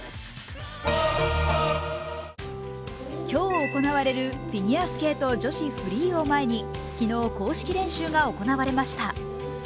今日行われるフィギュアスケート女子フリーを前に昨日、公式練習が行われました。